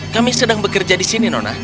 kami sedang bekerja di sini nonak